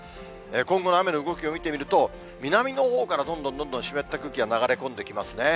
今後の雨の動きを見てみると、南のほうからどんどんどんどん湿った空気が流れ込んできますね。